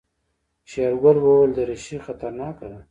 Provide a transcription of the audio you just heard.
شېرګل وويل دريشي خطرناکه ده.